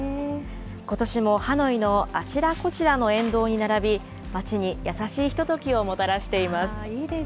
ことしもハノイのあちらこちらの沿道に並び、街に優しいひとときをもたらしています。